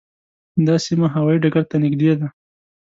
دا سیمه هوايي ډګر ته نږدې ده.